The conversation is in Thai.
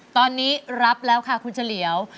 ตอนนี้รับแล้วค่ะคุณเฉลียว